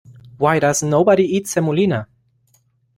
Why does nobody eat semolina?